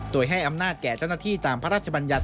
โดยให้อำนาจแก่เจ้าหน้าที่ตามพระราชบัญญัติ